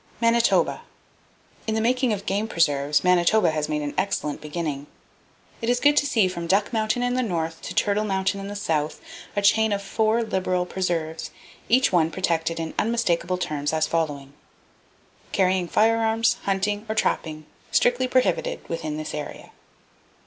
Manitoba. —In the making of game preserves, Manitoba has made an excellent beginning. It is good to see from Duck Mountain in the north to Turtle Mountain in the south a chain of four liberal preserves, each one protected in unmistakable terms as follows: "Carrying firearms, hunting or trapping strictly prohibited within this area."